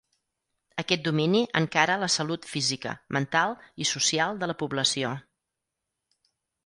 Aquest domini encara la salut física, mental i social de la població.